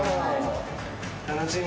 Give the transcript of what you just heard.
・楽しみ。